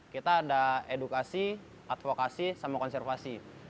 kita ada edukasi advokasi sama konservasi